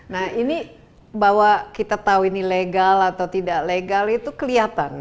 nah ini bahwa kita tahu ini legal atau tidak legal itu kelihatan